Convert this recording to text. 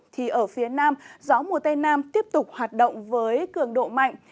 thì ở phía nam gió mùa tây nam tiếp tục hoạt động với cường độ mạnh